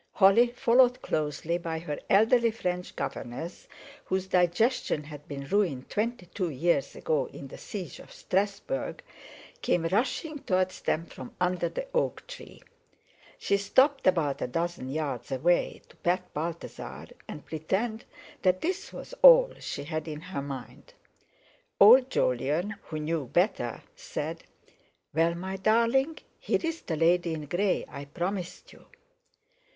Holly, followed closely by her elderly French governess, whose digestion had been ruined twenty two years ago in the siege of Strasbourg, came rushing towards them from under the oak tree. She stopped about a dozen yards away, to pat Balthasar and pretend that this was all she had in her mind. Old Jolyon, who knew better, said: "Well, my darling, here's the lady in grey I promised you."